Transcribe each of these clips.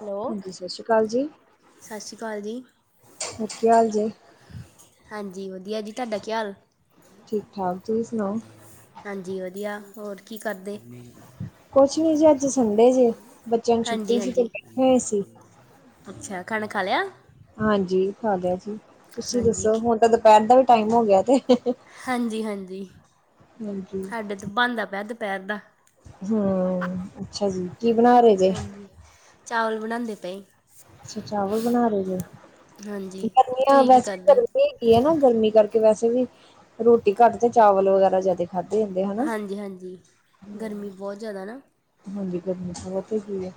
Hello ਹਾਂਜੀ ਸਤਿ ਸ਼੍ਰੀ ਅਕਾਲ ਜੀ। ਸਤਿ ਸ਼੍ਰੀ ਅਕਾਲ ਜੀ। ਹੋਰ ਕੀ ਹਾਲ ਜੇ? ਹਾਂਜੀ ਵਧੀਆ ਜੀ, ਤੁਹਾਡਾ ਕੀ ਹਾਲ? ਠੀਕ-ਠਾਕ ਤੁਸੀਂ ਸੁਣਾਓ? ਹਾਂਜੀ ਵਧੀਆ, ਹੋਰ ਕੀ ਕਰਦੇ? ਕੁਛ ਨੀ ਜੀ ਅੱਜ ਸੰਡੇ ਜੇ ਬੱਚਿਆਂ ਨੂੰ ਛੁੱਟੀ ਸੀ ਤੇ ਹਾਂਜੀ-ਹਾਂਜੀ, ਬੈਠੇ ਹੋਏ ਸੀ ਅੱਛਾ ਖਾਣਾ ਖਾ ਲਿਆ? ਹਾਂਜੀ ਖਾ ਲਿਆ ਜੀ, ਤੁਸੀਂ ਹਾਂਜੀ ਦੱਸੋ? ਕੀ ਹੁਣ ਤਾਂ ਦੁਪੈਰ ਦਾ ਵੀ ਟਾਈਮ ਹੋ ਗਿਆ ਤੇ। ਹਾਂਜੀ-ਹਾਂਜੀ, ਹਾਂਜੀ। ਸਾਡੇ ਤਾਂ ਬਣਦਾ ਪਿਆ ਦੁਪੈਰ ਦਾ। ਹੂੰ, ਅੱਛਾ ਜੀ ਕੀ ਬਣਾ ਰੇ? ਹਾਂਜੀ, ਚਾਵਲ ਬਣਾਦੇ ਪਏ। ਅੱਛਾ ਚਾਵਲ ਬਣਾ ਰੇ, ਜੇ ਹਾਂਜੀ ਗਰਮੀਆਂ ਤੁਸੀਂ ਕੀ ਵੈਸੇ ਕਰਦੇ [unintelligible] [unintelligible] ਨਾ ਗਰਮੀ ਕਰਕੇ ਵੈਸੇ ਵੀ ਰੋਟੀ ਘੱਟ ਤੇ ਚਾਵਲ ਵਗੈਰਾ ਜਾਦੇ ਖਾਧੇ ਜਾਂਦੇ ਆ। ਹਾਂਜੀ-ਹਾਂਜੀ ਗਰਮੀ ਬੋਤ ਜਾਦਾ ਨਾ, ਹਾਂਜੀ ਗਰਮੀ ਤਾਂ ਬੋਤ ਹੋਗੀ ਏ।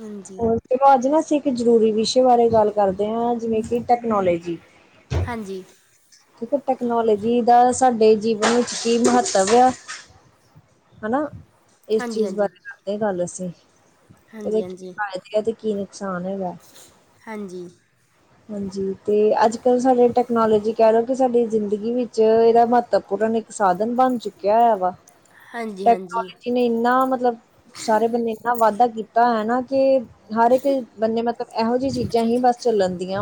ਹਾਂਜੀ। ਦੇੋ ਅੱਜ ਨਾ ਅਸੀਂ ਇੱਕ ਜ਼ਰੂਰੀ ਵਿਸ਼ੇ ਬਾਰੇ ਗੱਲ ਕਰਦੇ ਆ, ਜਿਵੇਂ ਕੀ ਟੈਕਨੋਲੋਜੀ ਹਾਂਜੀ। ਦੇਖੋ ਟੈਕਨੋਲੋਜੀ ਦਾ ਸਾਡੇ ਜੀਵਨ ਵਿੱਚ ਕੀ ਮਹੱਤਵ ਆ ਹਨਾ ਇਸ ਹਾਂਜੀ ਚੀਜ਼ ਹਾਂਜੀ ਬਾਰੇ ਕਰਦੇ ਗੱਲ ਅਸੀਂ ਏਦੇ ਕੀ ਹਾਂਜੀ ਹਾਂਜੀ ਫਾਇਦੇ ਤੇ ਕੀ ਨੁਕਸਾਨ ਹੈਗਾ? ਹਾਂਜੀ। ਹਾਂਜੀ ਤੇ ਅੱਜ-ਕੱਲ੍ਹ ਸਾਡੇ ਟੈਕਨੋਲੋਜੀ ਕੈ ਲਓ, ਕਿ ਸਾਡੀ ਜ਼ਿੰਦਗੀ ਵਿੱਚ ਏਦਾ ਮਹੱਤਵਪੂਰਨ ਸਾਧਨ ਬਣ ਚੁੱਕਿਆ ਹੈ, ਵਾ ਹਾਂਜੀ ਹਾਂਜੀ ਟੈਕਨੋਲੋਜੀ ਨੇ ਇੰਨਾ ਮਤਲਬ ਸਾਰੇ ਬੰਨੇ ਇੰਨਾ ਵਾਧਾ ਕੀਤਾ ਹੈ ਨਾ ਕਿ ਹਰ ਇੱਕ ਬੰਨੇ ਮਤਲਬ ਇਹੋ ਜਿਹੀਆਂ ਚੀਜ਼ਾਂ ਹੀ ਬਸ ਚੱਲਣ ਦੀਆ।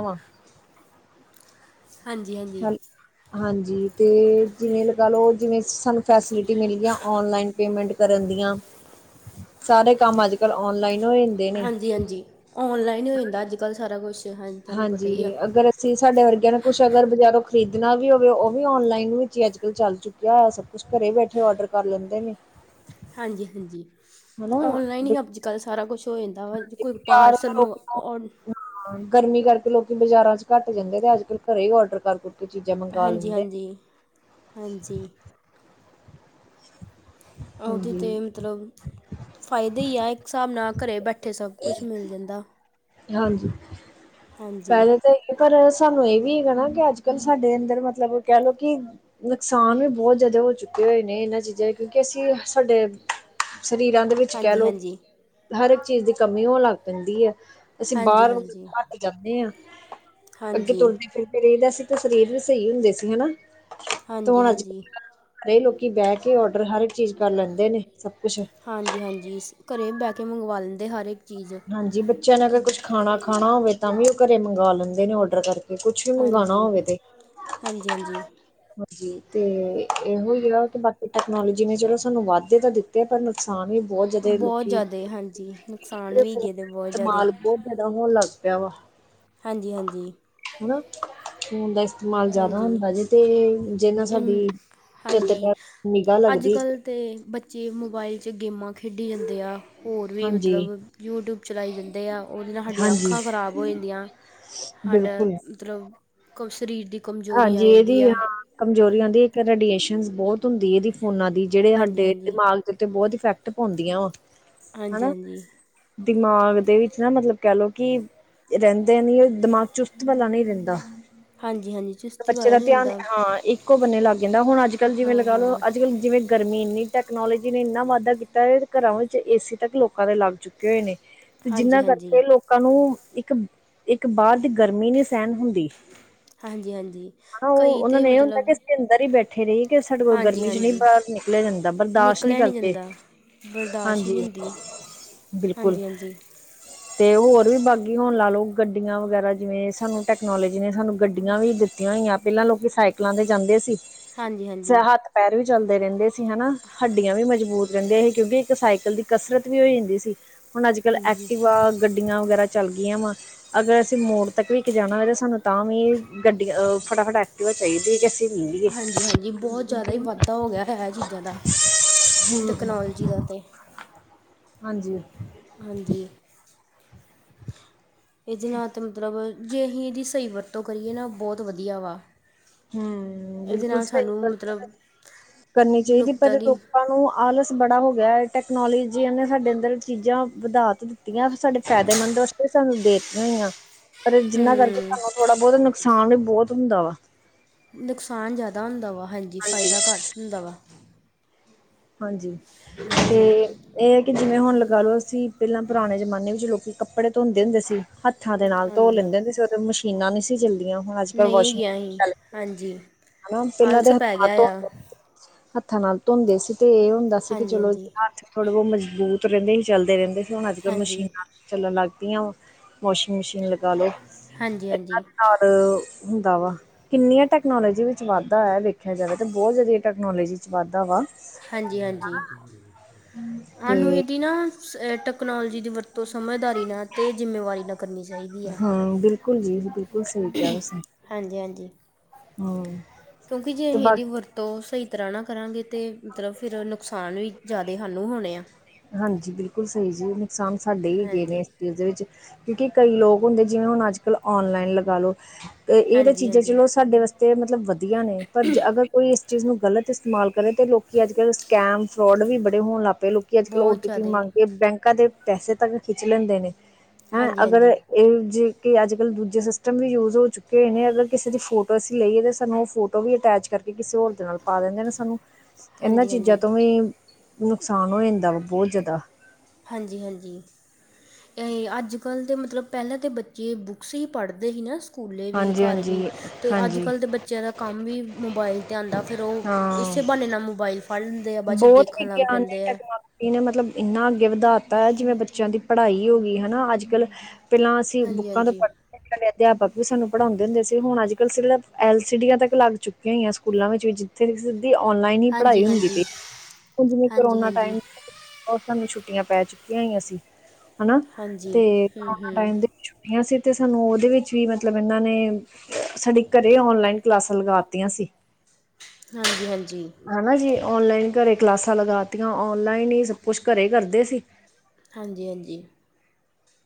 ਹਾਂਜੀ, ਹਾਂਜੀ। ਹੈਲ ਹਾਂਜੀ ਅਤੇ ਜਿਵੇਂ ਲਗਾ ਲਓ, ਜਿਵੇਂ ਸਾਨੂੰ ਫੈਸਿਲਿਟੀ ਮਿਲ ਗਈ ਔਨਲਾਈਨ ਪੇਮੈਂਟ ਕਰਨ ਦੀਆਂ ਸਾਰੇ ਕੰਮ ਅੱਜ ਕੱਲ ਔਨਲਾਈਨ ਹੋ। ਨੇ ਹਾਂਜੀ, ਹਾਂਜੀ ਔਨਲਾਈਨ ਹੀ ਹੋ ਜਾਂਦਾ, ਅੱਜ-ਕੱਲ੍ਹ ਸਾਰਾ ਕੁਛ ਹਾਂਜੀ ਤੁਹਾਨੂੰ ਪਤਾ ਹੀ ਆ। ਸੀ ਸਾਡੇ ਵਰਗਿਆਂ ਨੇ ਕੁਛ ਅਗਰ ਬਜ਼ਾਰੋਂ ਖਰੀਦਣਾ ਵੀ ਹੋਵੇ, ਉਹ ਵੀ ਔਨਲਾਈਨ ਵਿੱਚ ਹੀ ਅੱਜ ਕੱਲ ਚੱਲ ਚੁੱਕਿਆ ਹੈ, ਸਭ ਕੁ ਘਰੇ ਬੈਠੇ ਆਰਡਰ ਕਰ ਲੈਂਦੇ ਨੇ ਹਾਂਜੀ, ਹਾਂਜੀ ਹਨਾ ਔਨਲਾਈਨ ਹੀ ਅੱਜ-ਕੱਲ੍ਹ ਸਾਰਾ ਕੁਛ ਹੋ ਜਾਂਦਾ ਵਾ ਕੋਈ [unintelligible] ਪਾਰਸਲ ਮੰਗ ਔਡ ਗਰਮੀ ਕਰਕੇ ਲੋਕੀ ਬਾਜ਼ਾਰਾਂ ਚ ਘੱਟ ਜਾਂਦੇ, ਤੇ ਅੱਜ-ਕਲ ਘਰੇ ਹੀ ਔਡਰ ਕਰ ਕੁ ਹਾਂਜੀ, ਹਾਂਜੀ, ਹਾਂਜੀ। ਉਦੀ ਹਾਂਜੀ ਤੇ ਮਤਲਬ ਫ਼ਾਇਦੇ ਹੀ ਆ ਇੱਕ ਹਿਸਾਬ ਨਾਲ ਘਰੇ ਬੈਠੇ ਸਭ ਕੁਛ ਮਿਲ ਜਾਂਦਾ। ਹਾਂਜੀ ਹਾਂਜੀ ਪਹਿਲੇ ਤੇ ਪਰ ਸਾਨੂੰ ਇਹ ਵੀ ਹੈਗਾ ਨਾ ਕਿ ਅੱਜ ਕੱਲ ਸਾਡੇ ਅੰਦਰ ਮਤਲਬ ਇਹ ਵੀ ਕਹਿ ਲਓ ਕਿ ਨੁਕਸਾਨ ਵੀ ਬਹੁਤ ਜ਼ਿਆਦਾ ਹੋ ਚੁੱਕੇ ਹੋਏ ਨੇ ਇਹਨਾਂ ਚੀਜ਼ਾਂ ਦੇ ਕਿਉਂਕਿ ਅਸੀਂ ਸਾਡੇ ਸਰੀਰਾਂ ਦੇ ਵਿੱਚ ਕਹਿ ਹਾਂਜੀ ਲਓ ਹਾਂਜੀ ਹਰ ਇੱਕ ਚੀਜ਼ ਦੀ ਕਮੀ ਹੋਣ ਲੱਗ ਪੈਂਦੀ ਹੈ। ਅਸੀਂ ਹਾਂਜੀ ਬਾਹਰ ਹਾਂਜੀ ਘੱਟ ਜਾਂਦੇ ਹਾਂ ਹਾਂਜੀ ਅੱਗੇ ਹਾਂਜੀ ਤੁਰਦੇ ਫਿਟ ਰਹੀ ਦਾ ਸੀ ਤਾਂ ਸਰੀਰ ਵੀ ਸਹੀ ਹੁੰਦੇ ਸੀ। ਹਨਾ ਤੇ ਹੁਣ ਅੱਜ ਹਾਂਜੀ ਕੱਲ ਘਰੇ ਲੋਕੀ ਬਹਿ ਕੇ ਔਡਰ ਹਰ ਇੱਕ ਚੀਜ਼ ਕਰ ਲੈਂਦੇ ਨੇ ਸਭ ਕੁਛ ਹਾਂਜੀ, ਹਾਂਜੀ ਘਰੇ ਬਹਿ ਕੇ ਮੰਗਵਾ ਲੈਂਦੇ ਹਰ ਇੱਕ ਚੀਜ਼ ਹਾਂਜੀ ਬੱਚਿਆਂ ਨੇ ਅਗਰ ਕਿ ਕੁਛ ਖਾਣਾ, ਖਾਣਾ ਹੋਵੇ ਤਾਂ ਵੀ ਉਹ ਘਰੇ ਮੰਗਵਾ ਲੈਂਦੇ ਨੇ ਔਡਰ ਕਰਕੇ ਕੁਛ ਵੀ ਮੰਗਵਾਉਣਾ ਹਾਂਜੀ ਹੋਵੇ ਤੇ ਹਾਂਜੀ ਹਾਂਜੀ ਹਾਂਜੀ ਤੇ ਇਹੋ ਹੀ ਹੈ ਕਿ ਬਾਕੀ ਟੈਕਨੋਲੋਜੀ ਨੇ ਚਲੋ ਸਾਨੂੰ ਵਾਧਦੇ ਤਾਂ ਦਿੱਤੇ ਪਰ ਨੁਕਸਾਨ ਵੀ ਬਹੁਤ ਜ਼ਿਆਦਾ ਬਹੁਤ ਲੋਕੀ ਜ਼ਿਆਦਾ ਇੱਕ ਹਾਂਜੀ ਨੁਕਸਾਨ ਵੀ ਹੈਗੇ ਇਹਦੇ ਬਹੁਤ ਜ਼ਿਆਦੇ ਇਦਾਂ ਹੋਣ ਲੱਗ ਪਿਆ ਵਾ ਹਾਂਜੀ, ਹਾਂਜੀ। ਹਨਾ ਫੋਨ ਦਾ ਇਸਤੇਮਾਲ ਜ਼ਿਆਦਾ ਹਾਂਜੀ ਹੁੰਦਾ ਜੇ ਤੇ ਜਿੰਨਾ ਨਾਲ ਸਾਡੀ ਇਨ ਇਧਰ ਨਿਗਾਹ ਲੱਗਦੀ। ਅਤੇ ਬੱਚੇ ਮੋਬਾਈਲ 'ਚ ਗੇਮਾਂ ਖੇਡੀ ਜਾਂਦੇ ਆ। ਹੋਰ ਵੀ ਹਾਂਜੀ ਮਤਲਬ ਯੂਟਿਊਬ ਚਲਾਈ ਜਾਂਦੇ ਆ ਉਹਦੇ ਨਾਲ ਸਾਡੀਆਂ ਹਾਂਜੀ ਅੱਖਾਂ ਖਰਾਬ ਹੋ ਜਾਂਦੀਆਂ। ਸਾਡਾ ਬਿਲਕੁਲ। ਮਤਲਬ ਕੁਛ ਸਰੀਰ ਦੀ ਕਮਜ਼ੋਰੀ ਆ ਹਾਂਜੀ ਇਹਦੀ ਜਾਂਦੀ ਆ ਹ ਕਮਜ਼ੋਰੀ ਆਉਂਦੀ ਇੱਕ ਰੇਡੀਏਸ਼ਨ ਬਹੁਤ ਹੁੰਦੀ ਇਹਦੀ ਫੋਨਾ ਦੀ ਜਿਹੜੇ ਹਾਂਜੀ ਸਾਡੇ ਹਾਂਜੀ ਦਿਮਾਗ ਤੇ ਬਹੁਤ ਇਫੈਕਟ ਪਾਉਂਦੀਆ ਵਾ ਹਾਂਜੀ, ਹਨਾ ਹਾਂਜੀ। ਦਿਮਾਗ ਦੇ ਵਿੱਚ ਨਾ ਮਤਲਬ ਕਹਿ ਲਓ ਕਿ ਰਹਿੰਦੇ ਨੀ ਉਹ ਦਿਮਾਗ ਚੁਸਤ ਵਾਲਾ ਨਹੀਂ ਰਹਿੰਦਾ। ਹਾਂਜੀ ਹਾਂਜੀ ਚੁਸਤੀ ਬੱਚੇ ਵਾਲਾ ਦਾ ਨਹੀਂ ਧਿਆਨ ਰਹਿੰਦਾ ਹਾਂ ਇੱਕੋ ਬੰਨੇ ਲੱਗ ਜਾਂਦਾ ਹੁਣ ਅੱਜ ਕੱਲ੍ਹ ਜਿਵੇਂ ਹਾਂ ਲਗਾ ਲਓ ਹਾਂ ਅੱਜ ਕੱਲ ਜਿਵੇਂ ਗਰਮੀ ਇੰਨੀ ਟੈਕਨੋਲੋਜੀ ਨੇ ਇੰਨਾ ਵਾਧਾ ਕੀਤਾ ਘਰਾਂ ਵਿੱਚ ਏ ਸੀ ਤੱਕ ਲੋਕਾਂ ਦੇ ਲੱਗ ਚੁੱਕੇ ਗਾਏ ਨੇ ਤੇ ਹਾਂਜੀ ਜਿਨਾ ਹਾਂਜੀ ਕਰਕੇ ਲੋਕ ਲੋਕਾਂ ਨੂੰ ਇੱਕ ਇੱਕ ਬਾਅਦ ਦੀ ਗਰਮੀ ਨੀ ਸਹਿਣ ਹੁੰਦੀ। ਹਾਂਜੀ, ਹਾਂਜੀ। ਹਨਾ ਉਹ ਕਈ ਉਹਨਾਂ ਤਾਂ ਨੂੰ ਇਹ ਹੁੰਦਾ ਕਿ ਮਤਲਬ ਅਸੀਂ ਅੰਦਰ ਹੀ ਬੈਠੇ ਰਹੀਏ ਕਿ ਸਾਡੇ ਕੋਲ ਹਾਂਜੀ ਗਰਮੀ ਚ ਨਹੀਂ ਹਾਂਜੀ ਬਾਹਰ ਨਿਕਲਨ ਨਿਕਲਿਆ ਜਾਂਦਾ ਬਰਦਾਸ਼ਤ ਨਹੀਂ ਨਿਕਲਿਆ ਕਰਦੇ। ਜਾਂਦਾ ਬਰਦਾਸ਼ਤ ਹੀ ਹਾਂਜੀ ਹੁੰਦੀ ਬਿਲਕੁਲ ਹਾਂਜੀ, ਹਾਂਜੀ। ਤੇ ਹੋਰ ਵੀ ਬਾਕੀ ਹੁਣ ਲਾ ਲੋ ਗੱਡੀਆਂ ਵਗੈਰਾ ਜਿਵੇਂ ਸਾਨੂੰ ਟੈਕਨੋਲੋਜੀ ਨੇ ਸਾਨੂੰ ਗੱਡੀ ਗੱਡੀਆਂ ਵੀ ਦਿੱਤੀਆਂ ਹੋਈਆਂ ਪਹਿਲਾਂ ਲੋਕੀ ਸਾਈਕਲਾਂ ਤੇ ਜਾਂਦੇ ਸੀ। ਹਾਂਜੀ ਸਿਹਤ ਪੈਰ ਵੀ ਚੱਲਦੇ ਰਹਿੰਦੇ ਸੀ, ਹਨਾ। ਹੱਡੀਆਂ ਵੀ ਮਜ਼ਬੂਤ ਰਹਿੰਦੀਆ ਸੀ, ਕਿਉਂਕਿ ਇੱਕ ਸਾਈਕਲ ਦੀ ਕਸਰਤ ਵੀ ਹੋ ਜਾਂਦੀ ਸੀ। ਹੁਣ ਅੱਜ-ਕੱਲ੍ਹ ਹਾਂਜੀ ਹਾਂਜੀ ਐਕਟਿਵਾ ਗੱਡੀਆਂ ਵਗੈਰਾ ਚੱਲ ਗਈਆਂ ਵਾ ਅਗਰ ਅਸੀਂ ਮੋੜ ਤੱਕ ਵੀ ਇੱਕ ਜਾਣਾ ਹੋਵੇ ਤਾਂ ਸਾਨੂੰ ਤਾਂ ਵੀ ਗੱਡੀ ਅਹ ਫਟਾਫਟ ਐਕਟਿਵਾ ਚਾਹੀਦੀ ਏ ਕਿ ਅਸੀਂ ਪੀਵੀਏ, [unintelligible] ਹਾਂਜੀ ਹਾਂਜੀ ਬਹੁਤ ਜ਼ਿਆਦਾ ਹੀ ਵਾਧਾ ਹੋ ਗਿਆ ਹੈ ਇਹ ਚੀਜ਼ਾਂ ਦਾ ਹੂੰ, ਟੈਕਨੋਲਜੀ ਦਾ ਤਾਂ ਹਾਂਜੀ। ਹਾਂਜੀ। ਏਦੇ ਨਾਲ ਤਾਂ ਮਤਲਬ ਜੇ ਇਹੀ ਏਦੀ ਸਹੀ ਵਰਤੋਂ ਕਰੀਏ ਨਾ ਬੌਤ ਵਧੀਆ ਵਾ। ਹੂੰ, ਇਹਦੇ ਬਿਲਕੁਲ ਨਾਲ ਸਹੀ ਸਾਨੂੰ ਵਰਤੋ ਮਤਲਬ ਕਰਨੀ ਚਾਹੀਦੀ ਏ, ਪਰ ਨੁਕਤਾਂ ਦੀ ਲੋਕਾਂ ਨੂੰ ਆਲਸ ਬੜਾ ਹੋ ਗਿਆ, ਟੈਕਨੋਲੋਜੀਆਂ ਨੇ ਸਾਡੇ ਅੰਦਰ ਚੀਜ਼ਾਂ ਵਧਾ ਤੇ ਦਿੱਤੀਆਂ ਸਾਡੇ ਫਾਇਦੇਮੰਦ। ਤੇ ਸਾਨੂੰ ਦੇ ਦਿੱਤੀਆਂ ਹੋਈਆਂ ਪਰ ਜਿਨਾਂ ਕਰਕੇ ਹੂੰ ਸਾਨੂੰ ਥੋੜਾ ਬੌਤ ਨੁਕਸਾਨ ਵੀ ਬੌਤ ਹੁੰਦਾ ਵਾ। ਨੁਕਸਾਨ ਜਿਆਦਾ ਹੁੰਦਾ ਵਾ, ਹਾਂਜੀ ਫ਼ਾਇਦਾ ਘੱਟ ਹੁੰਦਾ ਵਾ। ਹਾਂਜੀ ਤੇ ਹਾਂਜੀ ਏਹ ਏ ਕਿ ਜਿਵੇਂ ਹੁਣ ਲਗਾ ਲੋ ਅਸੀਂ ਪਹਿਲਾਂ ਪੁਰਾਣੇ ਜਮਾਨੇ ਵਿੱਚ ਲੋਕੀ ਕੱਪੜੇ ਧੋਂਦੇ ਹੁੰਦੇ ਸੀ। ਹੱਥਾਂ ਦੇ ਨਾਲ ਧੋ ਹਾਂਜੀ ਲੈਂਦੇ ਹੁੰਦੇ ਸੀ ਓਹ ਤੇ ਮੁਸ਼ ਮਸ਼ੀਨਾਂ ਨ੍ਹੀਂ ਸੀ ਚੱਲਦੀਆਂ, ਹੁਣ ਅੱਜ-ਕੱਲ ਨਹੀਂ ਵਾਸ਼ਿੰਗ ਗਿਆ ਅਸੀਂ ਮਸ਼ੀਨ ਚਲ ਪਈ। ਹਾਂਜੀ ਹਨਾ ਪਹਿਲਾਂ ਆਲਸ ਤਾ ਪੈ ਹਥ ਗਿਆ ਆ ਧੋਣ ਹੱਥਾਂ ਨਾਲ ਧੋਂਦੇ ਸੀ ਤੇ ਏਹ ਹੁੰਦਾ ਸੀ ਕਿ ਹਾਂਜੀ ਚਲੋ ਹਾਂਜੀ ਥੋੜੇ ਬਹੁਤ ਮਜਬੂਤ ਰਹਿੰਦੇ ਹੀ ਚੱਲਦੇ ਰਹਿੰਦੇ ਸੀ ਹੁਣ ਅੱਜ-ਕੱਲ ਹਾਂਜੀ ਮਸ਼ੀਨਾ ਚੱਲਣ ਲੱਗ ਪਈਆਂ ਵਾਸ਼ਿੰਗ ਮਸ਼ੀਨ ਲਗਾ ਲੋ। ਹਾਂਜੀ, ਹਾਂਜੀ। ਅ ਹੁੰਦਾ ਵਾ। ਕਿੰਨੀਆਂ ਟੈਕਨੋਲੋਜੀ ਵਿੱਚ ਵਾਧਾ ਐ ਵੇਖਿਆ ਜਾਵੇ ਤੇ ਬਹੁਤ ਜਿਆਦਾ ਟੈਕਨੋਲੋਜੀ ਵਿੱਚ ਵਾਧਾ ਵਾ। ਹਾਂਜੀ ਹਾਂਜੀ, ਤੇ ਆਨੂੰ ਇਹਦੀ ਨਾ ਸ ਟੈਕਨੋਲੋਜੀ ਦੀ ਵਰਤੋਂ ਸਮਝਦਾਰੀ ਨਾਲ ਤੇ ਜਿੰਮੇਵਾਰੀ ਨਾਲ ਕਰਨੀ ਚਾਹੀਦੀ ਆ। ਹਾਂ, ਬਿਲਕੁਲ ਜੀ। ਬਿਲਕੁਲ ਸਹੀ ਕਿਹਾ ਤੁਸੀਂ। ਹਾਂਜੀ, ਹਾਂਜੀ। ਹਾਂ। ਕਿਉਂਕਿ ਜੇ ਅਹੀ ਇਹਦੀ ਵਰਤੋਂ ਸਹੀ ਤਰ੍ਹਾਂ ਨਾਲ ਕਰਾਂਗੇ ਤੇ ਮਤਲਬ ਫਿਰ ਨੁਕਸਾਨ ਵੀ ਜਿਆਦਾ ਸਾਨੂੰ ਹੋਣੇ ਆ। ਹਾਂਜੀ ਬਿਲਕੁਲ, ਸਹੀ ਜੀ ਨੁਕਸਾਨ ਸਾਡੇ ਹੀ ਹੈਗੇ ਨੇ ਹਾਂਜੀ ਇਸ ਚੀਜ਼ ਦੇ ਵਿੱਚ। ਕਿਉਂਕਿ ਕਈ ਲੋਕ ਹੁੰਦੇ ਜਿਵੇਂ ਹੁਣ ਅੱਜ-ਕੱਲ੍ਹ ਔਨਲਾਈਨ ਲਗਾ ਲੋ ਏਹ ਤੇ ਹਾਂਜੀ ਚੀਜ਼ਾਂ ਹਾਂਜੀ ਚਲੋ ਸਾਡੇ ਵਾਸਤੇ- ਤੇ ਮਤਲਬ ਵਧੀਆ ਨੇ, ਪਰ ਜੇ ਅਗਰ ਕੋਈ ਇਸ ਚੀਜ਼ ਨੂੰ ਗਲਤ ਇਸਤੇਮਾਲ ਕਰੇ ਤੇ ਲੋਕ ਅੱਜ-ਕੱਲ੍ਹ ਸਕੈਮ ਫਰੋਡ ਵੀ ਬੜੇ ਹੋਣ ਲੱਗ ਪਏ ਲੋਕੀ ਅੱਜ-ਕੱਲ੍ਹ ਔ ਬਹੁਤ ਟੀ ਪੀ ਜ਼ਿਆਦਾ ਮੰਗ ਕੇ ਬੈਂਕਾਂ ਦੇ ਪੈਸੇ ਤੱਕ ਖਿੱਚ ਲੈਂਦੇ ਨੇ, ਹੈਂ ਹਾਂਜੀ ਹਾਂਜੀ ਅਗਰ ਏਹ ਜੇ ਕਿ ਅੱਜ-ਕੱਲ ਦੂਜੇ ਸਿਸਟਮ ਵੀ ਯੂਜ ਹੋ ਚੁੱਕੇ ਨੇ ਅਗਰ ਕਿਸੇ ਦੀ ਫੋਟੋ ਅਸੀਂ ਲਈਏ ਤਾਂ ਸਾਨੂੰ ਓਹ ਫੋਟ ਟੋ ਵੀ ਅਟੈਚ ਕਰਕੇ ਕਿਸੇ ਹੋਰ ਦੇ ਨਾਲ ਪਾ ਦਿੰਦੇ ਨੇ, ਸਾਨੂੰ ਏਨਾਂ ਹਾਂਜੀ ਹਾਂਜੀ ਚੀਜ਼ਾਂ ਤੋਂ ਵੀ ਨੁਕਸਾਨ ਹੋ ਜਾਂਦਾ ਵਾ ਬਹੁਤ ਜਿਆਦਾ। ਹਾਂਜੀ, ਹਾਂਜੀ। ਅੱਜ-ਕੱਲ੍ਹ ਤੇ ਮਤਲਬ ਪਹਿਲਾਂ ਤਾਂ ਬੱਚੇ ਬੁੱਕਸ ਹੀ ਪੜ੍ਹਦੇ ਹੀ ਨਾ। ਸਕੂਲੇ ਵੀ ਹਾਂਜੀ ਘਰ ਵੀ ਹਾਂਜੀ ਤੇ ਹਾਂਜੀ ਅੱਜ-ਕੱਲ੍ਹ ਦੇ ਬੱਚੇ ਬੱਚਿਆਂ ਦਾ ਕੰਮ ਵੀ ਮੋਬਾਇਲ 'ਤੇ ਆਉਦਾ ਫੇਰ ਓਹ ਹਾਂ ਇਸੇ ਬਹਾਨੇ ਨਾਲ ਮੋਬਾਇਲ ਫੜ ਦੇ ਆ ਬਾਅਦ 'ਚ ਦੇਖਣ ਲੱਗ ਪੈਂਦੇ ਐ। ਏਨੇ ਮਤਲਬ ਇੰਨਾ ਅੱਗੇ ਵਧਾਤਾ ਜਿਵੇਂ ਬੱਚਿਆਂ ਦੀ ਪੜ੍ਹਾਈ ਹੋ ਗਈ ਹਨਾ ਅੱਜ-ਕੱਲ੍ਹ। ਪਹਿਲਾਂ ਅਸੀਂ ਹਾਂਜੀ ਬੁੱਕਾਂ ਤੋਂ ਹਾਂਜੀ ਪੜ੍ਹ ਪਹਿਲੇ ਅਧਿਆਪਕ ਵੀ ਸਾਨੂੰ ਪੜਾੰਉਦੇ ਹੁੰਦੇ ਸੀ ਹੁਣ ਅੱਜ-ਕੱਲ ਸਿਲਫ ਐਲ ਸੀ ਡੀਆਂ ਤੱਕ ਲੱਗ ਚੁੱਕ ਕੀਆਂ ਹੋਈਆਂ ਸਕੂਲਾਂ ਵਿੱਚ ਵੀ ਜਿੱਥੇ ਸਿੱਧੀ ਔਨਲਾਈਨ ਹੀ ਪੜ੍ਹਾਈ ਹਾਂਜੀ ਹੁੰਦੀ ਹਾਂਜੀ ਪਈ। ਜਿਵੇਂ ਹਾਂਜੀ ਕਰੋਨਾ ਹਾਂਜੀ ਟਾਈਮ ਸਾਨੂੰ ਛੁੱਟੀਆਂ ਪੈ ਚੁੱਕੀਆਂ ਹੋਈਆਂ ਸੀ। ਹਨਾ ਹਾਂਜੀ ਤੇ ਹੂੰ ਕਰੋਨਾ ਹੂੰ ਟਾਈਮ ਦੇ ਵਿੱਚ ਛੁੱਟੀਆਂ ਸੀ ਤੇ ਸਾਨੂੰ ਉਹਦੇ ਵਿੱਚ ਵੀ ਮਤਲਬ ਇਹਨਾਂ ਨੇ ਸਾਡੀ ਘਰੇ ਔਨਲਾਈਨ ਕਲਾਸਾਂ ਲਗਾਤੀਆਂ ਸੀ। ਹਾਂਜੀ, ਹਾਂਜੀ। ਹਨਾ ਜੀ ਔਨਲਾਈਨ ਘਰੇ ਕਲਾਸਾਂ ਲਗਾਤੀਆਂ ਔਨਲਾਈਨ ਹੀ ਸਭ ਕੁਛ ਘਰੇ ਕਰਦੇ ਸੀ। ਹਾਂਜੀ, ਹਾਂਜੀ।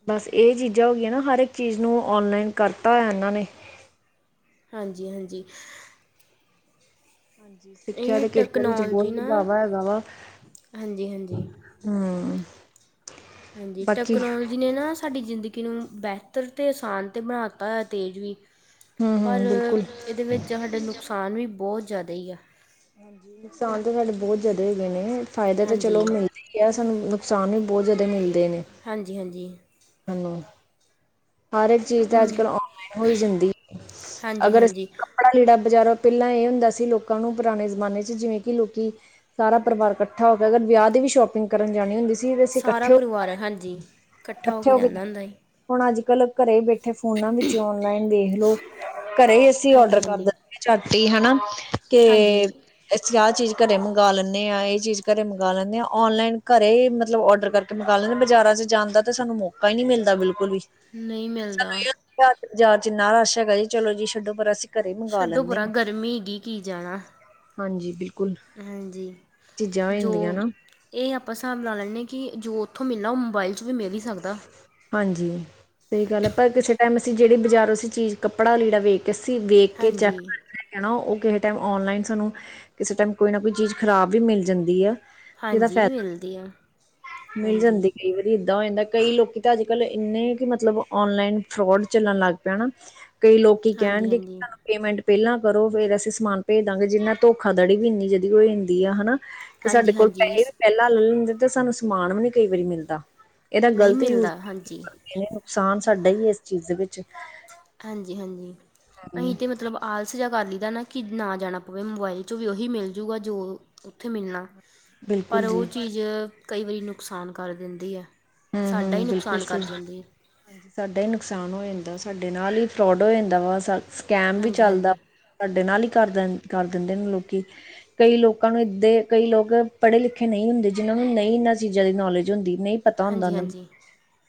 ਬਸ ਇਹ ਚੀਜ਼ਾਂ ਹੋ ਗਈਆਂ ਨਾ ਹਰ ਇੱਕ ਚੀਜ਼ ਨੂੰ ਔਨਲਾਈਨ ਕਰਤਾ ਹੋਇਆ ਇਹਨਾਂ ਨੇ। ਹਾਂਜੀ, ਹਾਂਜੀ। ਹਾਂਜੀ, ਸਿੱਖਿਆ ਇਹ ਦੇ ਖੇਤਰ ਵਿੱਚ ਟੈਕਨੋਲਜੀ ਬਹੁਤ ਨਾ ਵਧਾਵਾ ਹੈਗਾ ਵਾ। ਹਾਂਜੀ ਹਾਂਜੀ ਹਾਂ। ਹਾਂਜੀ ਟੈਕਨੋਲੋਜੀ ਜਿਹਨੇ ਨਾ ਸਾਡੀ ਜ਼ਿੰਦਗੀ ਨੂੰ ਬਿਹਤਰ ਤੇ ਆਸਾਨ 'ਤੇ ਬਣਾਤਾ ਤੇਜ਼ ਵੀ। ਪਰ ਹਮ ਬਿਲਕੁਲ ਇਹਦੇ ਵਿੱਚ ਸਾਡਾ ਨੁਕਸਾਨ ਵੀ ਬਹੁਤ ਜ਼ਿਆਦਾ ਹੀ ਆ। ਹਾਂਜੀ ਨੁਕਸਾਨ ਤਾਂ ਸਾਡੇ ਬਹੁਤ ਜ਼ਿਆਦਾ ਹੈਗੇ ਨੇ ਫ਼ਾਇਦਾ ਤਾਂ ਹਾਂਜੀ ਚਲੋ ਕਿਹਾ ਸਾਨੂੰ ਨੁਕਸਾਨ ਵੀ ਬਹੁਤ ਜ਼ਿਆਦਾ ਮਿਲਦੇ ਨੇ। ਹਾਂਜੀ-ਹਾਂਜੀ। ਹਾਂ। ਹਰ ਇੱਕ ਚੀਜ਼ ਤਾਂ ਹਮ, ਅੱਜ-ਕੱਲ ਔਨਲਾਈਨ ਹੋ ਜਾਂਦੀ ਹਾਂਜੀ ਅਗਰ ਅਸੀਂ ਹਾਂਜੀ ਕੜਾ ਲੀੜਾ ਬਾਜ਼ਾਰਾ ਪਹਿਲਾਂ ਇਹ ਹੁੰਦਾ ਸੀ, ਲੋਕਾਂ ਨੂੰ ਪੁਰਾਣੇ ਜ਼ਮਾਨੇ ਚ ਜਿਵੇਂ ਕਿ ਲੋਕੀ ਸਾਰਾ ਪਰਿਵਾਰ ਇਕੱਠਾ ਹੋ ਕੇ ਅਗਰ ਵਿਆਹ ਦੀ ਵੀ ਸ਼ੋਪਿੰਗ ਕਰਨ ਜਾਣੀ ਹੁੰਦੀ। ਸੀ ਤਾਂ ਅਸੀਂ ਸਾਰਾ ਇਕੱਠੇ ਹੋ ਪਰਿਵਾਰ, ਹਾਂਜੀ ਇਕੱਠਾ ਹੋ ਕੇ ਜਾਂਦਾ ਹੁੰਦਾ ਹੀ। ਹੁਣ ਅੱਜ-ਕੱਲ੍ਹ ਘਰੇ ਬੈਠੇ ਫੋਨਾਂ ਵਿੱਚ ਔਨਲਾਈਨ ਦੇਖਲਓ, ਘਰੇ ਹੀ ਅਸੀਂ ਔਡਰ ਹਾਂਜੀ ਕਰ ਦ ਹਾਂਜੀ ਚਦੀ ਹਨਾ ਕਿ ਹਾਂਜੀ ਅਸੀਂ ਆਹ ਚੀਜ਼ ਘਰੇ ਮੰਗਵਾ ਲੈਂਦੇ ਹਾਂ, ਇਹ ਚੀਜ਼ ਘਰੇ ਮੰਗਗਾਵਾ ਲੈਂਦੇ ਹਾਂ ਔਨਲਾਈਨ ਘਰੇ ਮਤਲਬ ਔਡਰ ਕਰ ਮੰਕਾ ਲਦੇ ਬਾਜ਼ਾਰਾਂ ਚ ਜਾਂਣ ਦਾ, ਤੇ ਸਾਨੂੰ ਮੌਕਾ ਹੀ ਨਹੀ ਮਿਲਦਾ ਬਿਲਕੁਲ ਵੀ। ਨਹੀਂ ਮਿਲਦਾ। ਸਾਨੂੰ ਇਹ ਜਾਚ ਇੰਨਾ ਰਸ਼ ਹੈਗਾ ਜੀ ਚਲੋ ਜੀ ਛੱਡੋ ਪਰ ਅਸੀਂ ਘਰੇ ਮੰਗਵਾ ਛੱਡੋ, ਲੈਂਦੇ ਪਰਾ ਹਾਂ। ਗਰਮੀ ਹੈਗੀ ਕੀ ਜਾਣਾ। ਹਾਂਜੀ ਬਿਲਕੁਲ ਹਾਂਜੀ, ਚੀਜ਼ਾਂ ਹੋ ਜੋ ਜਾਂਦੀਆਂ ਨਾ ਇਹ ਆਪਾਂ ਹਿਸਾਬ ਲਾ ਲੈਂਦੇ ਹਾਂ, ਕਿ ਜੋ ਉੱਥੋਂ ਮਿਲਣਾ ਉਹ ਮੋਬਾਇਲ 'ਚ ਵੀ ਮਿਲ ਹੀ ਸਕਦਾ। ਹਾਂਜੀ ਸਹੀ ਗੱਲ ਹੈ, ਪਰ ਕਿਸੇ ਟਾਈਮ ਅਸੀਂ ਜਿਹੜੀ ਬਜ਼ਾਰ ਅ ਚੀਜ਼ ਕ ਕੱਪੜਾ ਲੀੜਾ ਵੇਖ ਕੇ, ਅਸੀਂ ਵੇਖ ਕੇ ਚੈੱਕ ਹਾਂਜੀ ਕਰ ਹੈ, ਉਹ ਕਿਸੇ ਟਾਈਮ ਔਨਲਾਈਨ ਸਾਨੂੰ ਕਿਸੇ ਟਾਈਮ ਕੋਈ ਨਾ ਕੋਈ ਚੀਜ਼ ਖ਼ਰਾਬ ਵੀ ਮਿਲ ਜਾਂਦੀ ਆ। ਜਿਦਾ ਹਾਂਜੀ ਫਾਇਦਾ ਮਿਲਦੀ ਆ ਮਿਲ ਹਾਂਜੀ ਜਾਂਦੀ ਕਈ ਵਾਰੀ। ਹੋ ਜਾਂਦਾ ਕਈ ਲੋਕੀ ਤਾਂ ਅੱਜ-ਕਲ੍ਹ ਇੰਨੇ ਕਿ ਮਤਲਬ ਔਨਲਾਈਨ ਫਰੋਡ ਚੱਲਣ ਲੱਗ ਪਿਆ ਨਾ। ਕਈ ਲੋਕੀ ਹਾਂਜੀ ਕਹਿਣਗੇ ਕਿ ਹਾਂਜੀ ਸਾਨੂੰ ਪੇਮੈਂਟ ਪਹਿਲਾਂ ਕਰੋ ਫੇਰ ਅਸੀਂ ਸਮਾਨ ਭੇਜ ਦਾਂਗੇ, ਜਿੰਨਾ ਧੋਖਾਧੜੀ ਵੀ ਇੰਨੀ ਜਦੀ ਹੋ ਜਾਂ ਹੁੰਦੀ ਆ ਹਨਾ। ਕਿ ਸਾਡੇ ਹਾਂਜੀ ਕੋਲ ਹਾਂਜੀ ਪੈਸੇ ਵੀ ਸ- ਪਹਿਲਾਂ ਲੈ ਲੈਂਦੇ, ਤੇ ਸਾਨੂੰ ਸਮਾਨ ਵੀ ਨੀ ਕਈ ਵਾਰੀ ਮਿਲਦਾ। ਇਹਦਾ ਨਹੀਂ ਗ਼ਲਤ ਯੂਜ ਮਿਲਦਾ ਹਾਂਜੀ ਕਰਦੇ ਨੇ ਨੁਕਸਾਨ ਸਾਡਾ ਹੀ ਹੈ, ਇਸ ਚੀਜ਼ ਵਿੱਚ। ਹਾਂਜੀ-ਹਾਂਜੀ ਅਸੀਂ ਹੂੰ ਤੇ ਮਤਲਬ ਆਲਸ ਅਗਾਲੀ ਦਾ ਨਾ ਕਿ ਨਾ ਜਾਣਾ ਪਵੇ, ਮੋਬਾਈਲ 'ਚੋਂ ਵੀ ਉਹੀ ਮਿਲ ਜੂਗਾ ਜੋ ਉੱਥੇ ਮਿਲਣਾ। ਪਰ ਬਿਲਕੁਲ ਉਹ ਜੀ ਚੀਜ਼ ਕਈ ਵਾਰੀ ਨੁਕਸਾਨ ਕਰ ਦਿੰਦੀ ਹੈ। ਹੂੰ-ਹੂੰ ਸਾਡਾ ਹੀ ਬਿਲਕੁਲ ਨੁਕਸਾਨ ਕਰ ਸਹੀ। ਜਾਂਦੀ ਐ। ਹਾਂਜੀ ਸਾਡਾ ਹੀ ਨੁਕਸਾਨ ਹੋ ਜਾਂਦਾ, ਸਾਡੇ ਨਾਲ ਹੀ ਫਰੋਡ ਹੋ ਜਾਂਦਾ ਵਾ ਸਕੈਮ ਵੀ ਹਾਂਜੀ ਚੱਲਦਾ ਹਾਂਜੀ ਵਾ। ਸਾਡੇ ਨਾਲ ਹੀ ਕਰ ਦਿੰਦੇ ਨੇ ਲੋਕੀ। ਕਈ ਲੋਕਾਂ ਨੂੰ ਇੱਦਾਂ ਕਈ ਲੋਕ ਪੜ੍ਹੇ ਲਿਖੇ ਨਹੀਂ ਹੁੰਦੇ, ਜਿਨ੍ਹਾਂ ਨੂੰ ਨਹੀਂ ਇਹਨਾਂ ਚੀਜ਼ਾਂ ਦੀ ਨੌਲੇਜ ਹੁੰਦੀ ਨਹੀਂ। ਪਤਾ ਹੁੰਦਾ, ਹਾਂਜੀ ਉਹਨਾਂ ਨੂੰ ਹਾਂਜੀ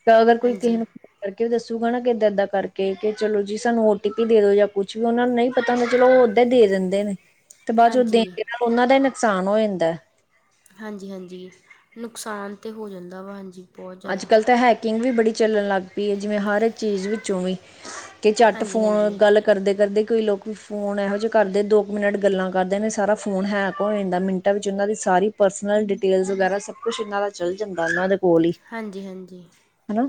ਤਾਂ ਅਗਰ ਕੋਈ ਕਿਸੇ ਹਾਂਜੀ ਨੂੰ ਕਰਕੇ ਵੀ ਦੱਸੂਗਾ, ਨਾ ਕਿੱਦਾਂ ਏਦਾਂ ਕਰਕੇ ਕੇ ਚਲੋ, ਜੀ ਸਾਨੂੰ ਓ ਟੀ ਪੀ ਦੇ ਦੋ ਜਾਂ ਕੁਛ ਵੀ ਉਹਨਾਂ ਨੂੰ ਨਹੀਂ ਪਤਾ ਨੀ ਚਲੋ, ਉਹ ਉਦਾਂ ਹੀ ਦੇ ਦਿੰਦੇ ਨੇ, ਤੇ ਬਾਅਦ ਚ ਦੇਣ ਹਾਂਜੀ ਦੇ ਨਾਲ ਉਹਨਾ ਦਾ ਹੀ ਨੁਕਸਾਨ ਹੋ ਜਾਂਦਾ। ਹਾਂਜੀ-ਹਾਂਜੀ ਨੁਕਸਾਨ ਤਾਂ ਹੋ ਜਾਂਦਾ ਵਾ ਹਾਂਜੀ। ਬਹੁਤ ਅੱਜ ਜ਼ਿਆਦਾ ਕੱਲ੍ਹ ਤਾਂ ਹੈਕਿੰਗ ਵੀ ਬੜੀ ਚੱਲਣ ਲੱਗ ਪਈ ਹੈ, ਜਿਵੇਂ ਹਰ ਚੀਜ਼ ਵਿੱਚੋਂ ਵੀ ਕੇ ਚਟ, ਹਾਂਜੀ ਫੋਨ ਹਾਂਜੀ ਗੱਲ ਕਰਦੇ-ਕਰਦੇ ਕਈ ਲੋਕ ਫੋਨ ਏਹੋ ਜੇ ਕਰਦੇ ਦੋ ਕੁ ਮਿਨਟ ਗੱਲਾਂ ਕਰਦੇ ਨੇ। ਸਾਰਾ ਫੋਨ ਹੈਕ ਹੋ ਜਾਂਦਾ ਮਿੰਟ ਵਿੱਚ ਔਨਾਂ ਦੀ ਸਾਰੀ ਪਰਸਨਲ ਡਿਟੇਲਸ ਵਗੈਰਾ, ਸਭ ਕੁਛ ਇਨਾਂ ਦਾ ਚੱਲ ਜਾਂਦਾ ੳਨਾਂ ਦੇ ਕੋਲ ਈ ਹਾਂਜੀ, ਹਾਂਜੀ। ਹੈਲੋ।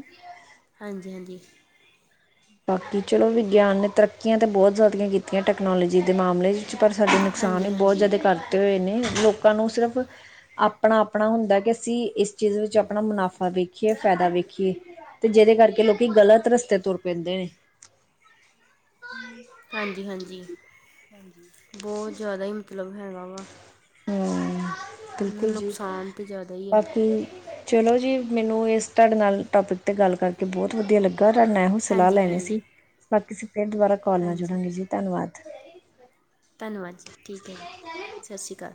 ਹਾਂਜੀ, ਹਾਂਜੀ। ਬਾਕੀ ਚਲੋ, ਵਿਗਿਆਨ ਨੇ ਤਰੱਕੀਆਂ ਤੇ ਬਹੁਤ ਜ਼ਾਦੀਆਂ ਕੀਤੀਆਂ, ਟੈਕਨੋਲੋਜੀ ਦੇ ਮਾਮਲੇ 'ਚ। ਪਰ ਸਾਡੇ ਨੁਕਸਾਨ ਹਾਂਜੀ ਹਾਂਜੀ ਬਹੁਤ ਜ਼ਾਦਾ ਕਰਤੇ ਹੋਏ ਨੇ ਲੋਕਾਂ ਨੂੰ ਸਿਰਫ ਆਪਣਾ-ਅਪਣਾ ਹੁੰਦਾ ਕਿ ਅਸੀਂ ਇਸ ਚੀਜ਼ ਵਿੱਚ ਅਪਣਾ ਮੁਨਾਫ਼ਾ ਵੇਖੀਏ, ਫੈਦਾ ਵੇਖੀਏ। ਤੇ ਜੇਦੇ ਕਰਕੇ ਲੋਕੀ ਗ਼ਲਤ ਰਸਤੇ ਤੁਰ ਪੈਂਦੇ ਨੇ। ਹਾਂਜੀ, ਹਾਂਜੀ ਹਾਂਜੀ ਬਹੁਤ ਜਿਆਦਾ ਈ ਮਤਲਬ ਹੈਗਾ ਵਾ ਹੁੰ, ਬਿਲਕੁਲ ਜੀ। ਨੁਕਸਾਨ ਤਾਂ ਜ਼ਿਆਦਾ ਹੀ ਆ ਬਾਕੀ ਚਲੋ ਜੀ, ਮੈਨੂੰ ਇਸ ਤਾਡੇ ਨਾਲ ਟੋਪਿਕ 'ਤੇ ਗੱਲ ਕਰਕੇ ਬਹੁਤ ਵਧੀਆ ਲੱਗ ਏਹੋ ਸਲਾਹ ਹਾਂਜੀ ਲੈਣੀ ਹਾਂਜੀ ਸੀ। ਬਾਕੀ ਅਸੀਂ ਫਿਰ ਦੁਬਾਰਾ ਕਾਲ ਨਾਲ ਹਾਂਜੀ ਜੁੜਾਂਗੇ ਜੀ ਧੰਨਵਾਦ। ਧੰਨਵਾਦ ਜੀ। ਠੀਕ ਹੈ ਜੀ ਸਤਿ ਸ਼੍ਰੀ ਅਕਾਲ।